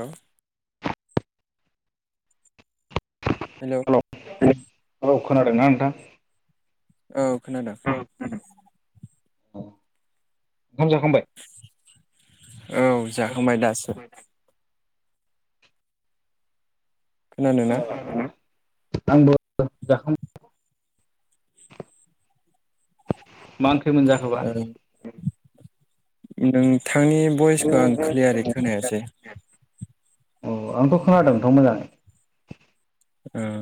औ' हेल' औ' खोनादोंना नोंथां औ खोनादों ओंखाम जाखांबाय औ जाखांबाय दासो खोनादों अ ना आंबो जाखांबाय सोरमोन जाखोबा नोंथांनि भइसखौ आं ख्लियारै खोनायासै औ आंथ' खोनादोंथ' मोजाङै ओं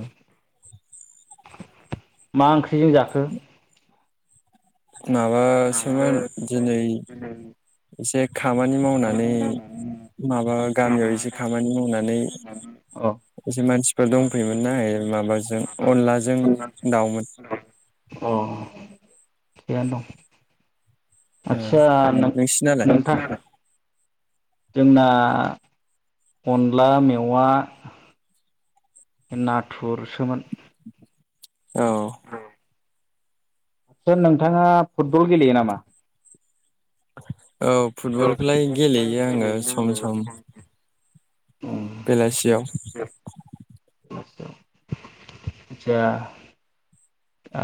मा ओंख्रिजों जाखो माबासोमोन दिनै एसे खामानि मावनानै नै माबा गामियाव एसे खामानि मावनानै अ एसे मानसिफोर दंफैयोमोनना माबाजों अनलाजों दाउमोन अ थिगानो दं ओ आतसा नोंसिनालाय नोंथां जोंना अनला मेवा नाथुरसोमोन औ आतसा नोंथाङा फुटबल गेलेयो नामा औ फुटबलखौलाय गेलेयो आङो सम सम बेलासियाव आतसा आ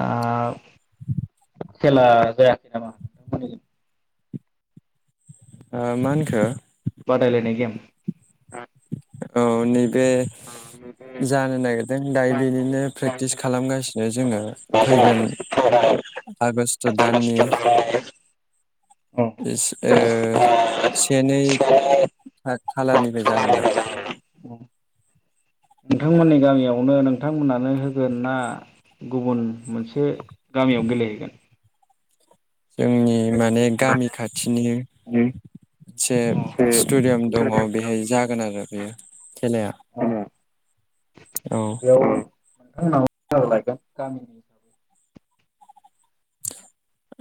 खेला जायाखै नामा नोंथांमोननिथिं मा होनखो बादाय लायनाय गेम औ नै बे जानो नागिरदों दा बेनिनो प्रेक्टिस खालामगासिनो जोङो फैगोन आगष्ट दाननि औ से नै खालारनिफ्राय जागोन नामा औ [inaudible] नोंथांमोननि गामियावनो नोंथांमोनानो होगोन ना गुबुन मोनसे गामियाव गेलेहैगोन जोंनि माने गामि खाथिनि मोनसे स्टेडियाम दङ बेहाय जागोन आरो बेयो खेलाया औ बेयाव [unintelligible]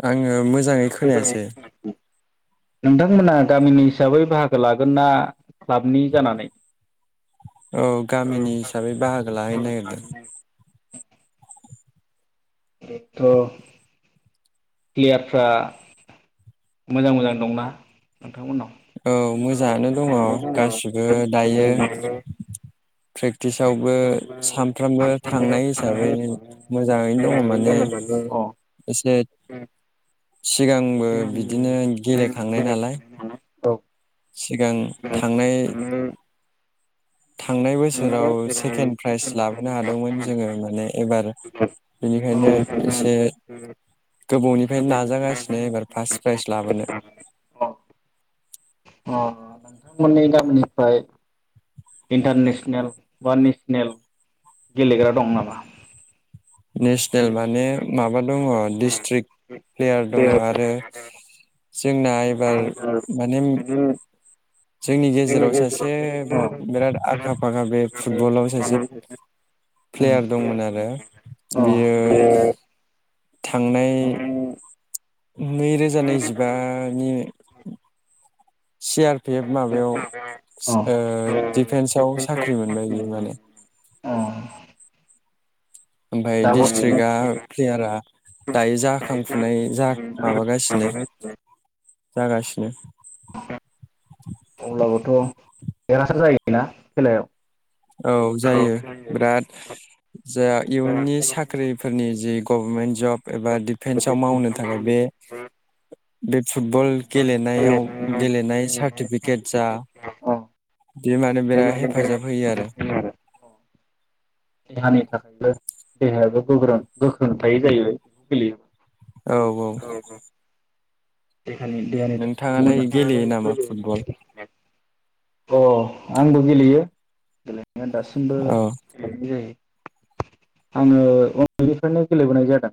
आङो मोजाङै खोनायासै नोंथांमोना गामिनि हिसाबै बाहागो लागोन ना क्लाबनि जानानै औ गामिनि हिसाबै बाहागो लाहैनो नागिरदों थ' प्लेयारफ्रा मोजां मोजां दंना नोंथांमोननाव औ मोजाङानो दङ गासिबो दायो प्रेक्टिसावबो सानफ्रामबो थांनाय हिसाबै मोजाङैनो अ दङ माने एसे सिगांबो बिदि बिदिनो गेलेखांनाय नालाय औ सिगां थांनाय थांनाय बोसोराव सेकेणड प्राइज लाबोनो हादोंमोन जोङो माने एबार बिनिखायनो एसे गोबावनिफ्रायनो नाजागासिनो एबार फार्स प्राइज लाबोनो औ अ नोंथांमोननि गामिनिफ्राय इन्टारनेसनेल बा नेसनेल गेलेग्रा दं नामा नेसनेल माने माबा दङ डिस्ट्रिक् प्लेयार दङ आरो जोंना एबार माने जोंनि गेजेराव सासे बिराद खाफाखा बे फुटबलाव सासे प्लेयार दंमोन आरो अ बियो थांनाय नैरोजा नैजिबानि सि आर पि एफ माबायाव अ सिओ दिडिफेन्सआव साख्रि मोनबाय बियो माने अ ओमफाय दाबो डिस्ट्रिक्टआ प्लेयारा दायो जाखांफुनाय जा माबागासिनो जागासिनो [inaudible] अब्लाबोथ' देरहासार जायोना खेलायाव औ जायो बिराद जा इयुननि साख्रिफोरनि जि गभमेन्ट जब एबा डिफेन्सआव मावनो थाखाय बे बे फुटबल गेलेनायाव गेलेनाय सार्टिफिकेट जा अ बे मान ने बेराद हेफाजाब होयो आरो [inaudible] देहानि थाखायबो देहायाबो गोग्रों गोख्रों थायो जाहैबाय सोलियो औ औ देहानि देहानि नोंथाङालाय गेलेयो नामा फुटबल थाखाय [inaudible] अ आंबो गेलेयो ना दासिमबो औ गेलेनाय जायो आङो उन्दैनिफ्रायनो गेलेबोनाय जादों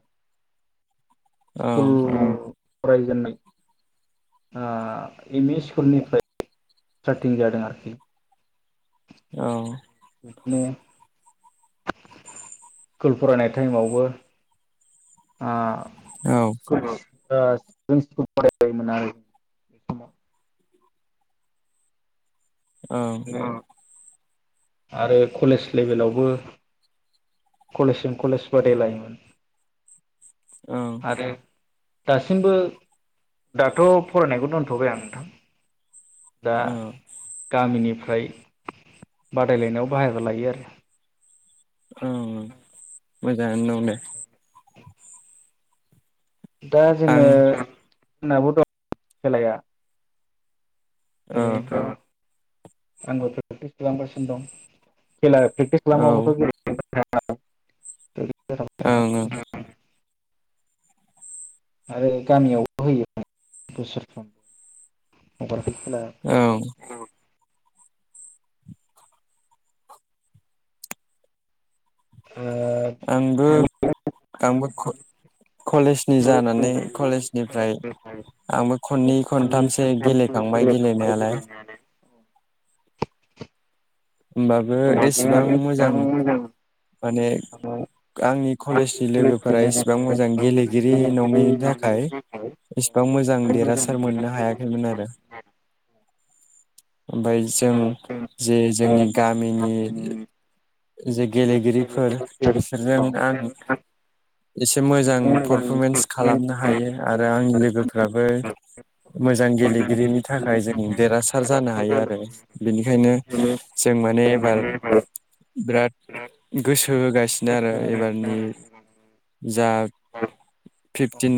औ स्कुल फरायजेननाय ओ एम इ स्कुलनिफ्राय सारटिं जादों आरोखि औ बिदिनो स्कुल फरायनाय टाइमावबो आ औ स्कुल बाव ओ जों स्कुल फरायबायमोन आरो बे समाव औ ओरैनो आरो कलेस लेभेलावबो कलेस जों कलेस बादायलायोमोन ओं आरो दासिमबो दाथ' फरायनायखौ दोनथ'बाय आं नोंथां दा औ गामिनिफ फ्राय बादायलायनायाव बाहायगो लायो आरो औ [inaudible] दा जोङो आं जोंनाबो दं खेलाया औ ओरैनोथ' आंबो प्रेक्टिस खालामगासिनो दं खेला प्रेक्टिस औ ओं खालामाबाथ' [unintelligible] औ औ आरो गामियावबो होयोमोन बोसोरफ्रोमबो [unintelligible] औ [inaudible] आंबो आ आंबो कलेजनि जानानै कलेजनिफ्राय आंबो खननै खनथामसो गेलेखांबाय गेलेनायालाय होमबाबो एसेबां मोजां माने आंनि कलेजनि लोगोफोरा एसेबां मोजां गेलेगिरि नङिनि थाखाय एसेबां मोजां देरहासार मोननो हायाखैमोन आरो ओमफ्राय जों जे जोंनि गामिनि जे गेलेगिरिफोर ओ बिसोरजों आं एसे मोजां पारफरमेन्स खालामनो हायो आरो आंनि लोगोफ्राबो मोजां गेलेगिरिनि थाखाय जों देरहासार जानो हायो आरो बेनिखायनो जों माने एबार बिराद गोसो होगासिनो आरो एबारनि जा औ फिफटिन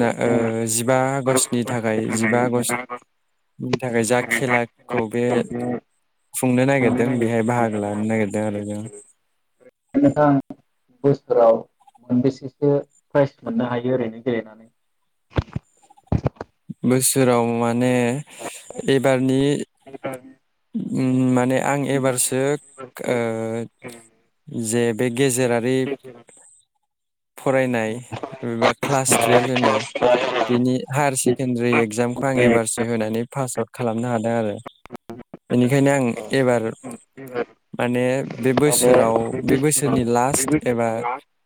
जिबा आगष्टनि थाखाय जिबा आगष्टनि थाखाय जा खेलाखौ बे खुंनो नागिरदों जों बेहाय बाहागो लानो नागिरदों आरो जों नोंथां बोसोराव मोनबेसेसो प्राइज मोननो हायो ओरैनो गेलेनानै बोसोराव माने माने एबारनि उम माने आं एबारसो जे बे गेजेरारि फरायनाय एबा क्लास टुवेल्भ होनो बिनि हायार सेकेणडारि एगजामखौ आं एबारसो होनानै पास आउट खालामनो हादों आरो। बेनिखायनो आं एबार माने बे बोसोराव बे बोसोरनि लास्ट एबा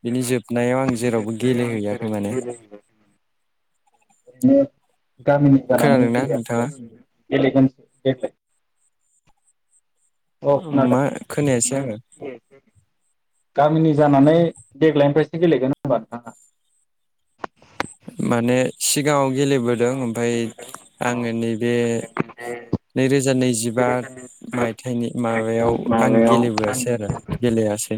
बिनि जोब बिनि गामिनि जानानै खोनादोंना गेलेयाखै नोंथाङा माने [unintelligible] औ खोनादों मा खोनायासै आङो गामिनि जानानै देग्लायनिफ्रायसो गेलेगोन होमबा नोंथाङा माने सिगाङाव गेलेबोदों। ओमफ्राय आङो नैबे नैरोजा नैजिबा मायथाइनि माबायाव आं गेलेबोआसै आरो गेलेयासै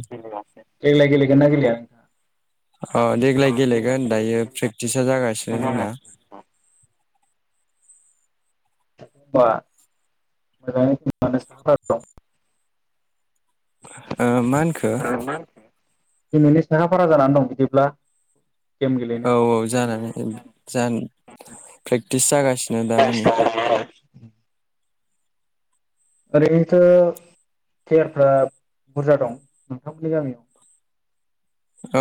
देग्लाय [inaudible] औ देग्लाय गेलेगोन दायो प्रेक्टिसा जागासिनो जोंना। [unintelligible] ओ मा होनखो गेलेनो साखा फारा जानानै दं बिदिब्ला गेम गेलेनो औ औ जानानै जानानै प्रेक्टिस जागासिनो दामानि। ओरैनोथ' फ्लेयारफ्रा बुरजा दं नोंथांमोननि गामियाव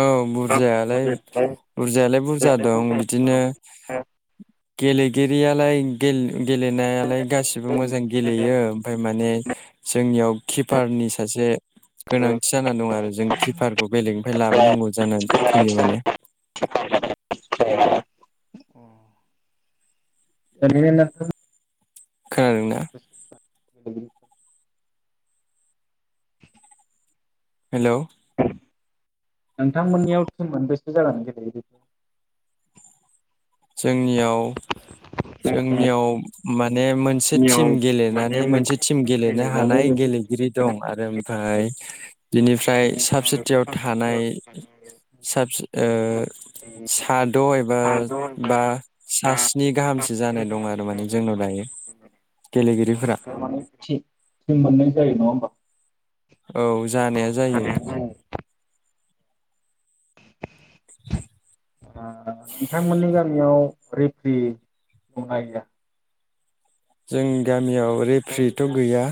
औ बुरजायालाय बुरजायालाय बुरजा दं बिदिनो। गेलेगिरियालाय गेले गेलेनायालाय गासिबो मोजां गेलेयो ओमफ्राय माने जोंनियाव किपारनि सासे गोनांथि जाना दं आरो जों किपारखौ बेलेग निफ्राय लाबोनांगौ जानानै फैयो माने [unintelligible] खोनादोंना। [unintelligible] हेलौ नोंथांमोननियाव टिम मोनबेसे जानानै गेलेयो बेखौ जोंनियाव जोंनियाव माने मोनसे टिम गेलेनानै मोनसे टिम गेलेनो हानाय गेलेगिरि दं आरो ओमफ्राय बिनिफ्राय साबसिटियाव थानाय साब सिट सा द' बा बा सा स्नि गाहाम जानाय दं आरो माने जोंनाव दायो गेलेगिरिफोरा मोनै जायो नङा होमबा औ जानाया जायो नोंथांमोननि गामियाव रेफ्रि दंना गैया जों गामियाव रेफ्रिथ' गैया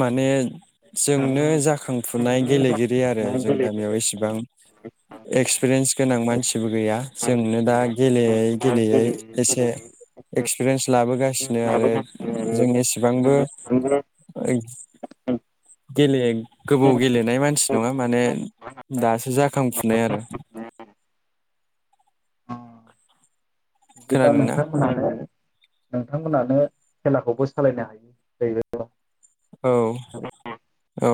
माने जोंनो जाखांफुनाय गेलेगिरि आरो जों गामियाव इसेबां एक्सपिरियेन्स गोनां मानसिबो गैया जोंनो दा गेलेयै गेलेयै एसे एक्सपिरियेन्स लाबोगासिनो आरो जों एसेबांबो ओइ गेले गोबौ गेलेनाय मानसि नङा माने दासो जाखांफुनाय आरो [unintelligible] खोनादोंना नोंथांमोनानो खेलाखौबो सालायनो हायो औ बेबायल' [inaudible] औ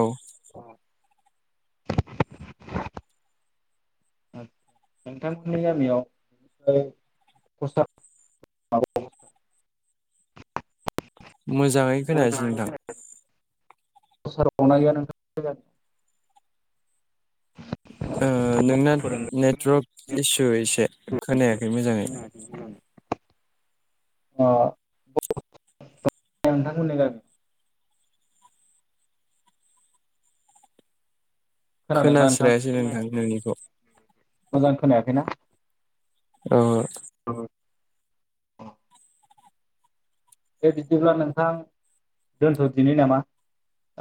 नोंथांमोननि गामियावथ मोजाङै खोनायासै नोंथां [unintelligible] गैया नोंथां [inaudible] ओ अ नोंना नेटवर्क इसु एसे खोनायाखै मोजाङै ओ नोंथांमोननि गामियाव खोनादोंना नोंथां खोनास्रायासै नोंथां नोंनिखौ मोजां खोनायाखैना ओ बा दे बिदिब्ला नोंथां दोन्थ'दिनि नामा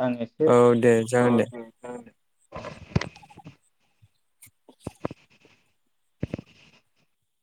आं एसे औ दे जागोन दे [inaudible]